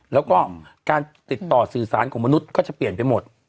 แล้วก็การติดต่อสื่อสารของมนุษย์ก็จะเปลี่ยนไปหมด